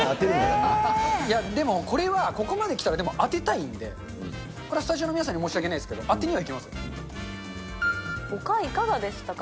いや、でも、これは、ここまできたら、でも当てたいんで、これはスタジオの皆さんには申し訳ないですけど、当てにはいきまほかいかがでしたか？